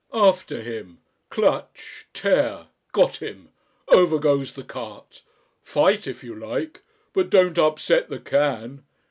After him! Clutch tear! Got him! Over goes the cart! Fight if you like, but don't upset the can!...